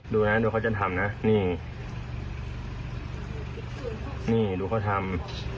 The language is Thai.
ดูนะดูเขาจะทำนะนี่นี่ดูเขาทำ